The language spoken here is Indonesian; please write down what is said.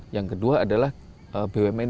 yang kedua adalah bumn